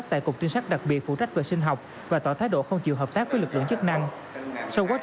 thì trong giai đoạn này là giai đoạn mà người máu đang còn ít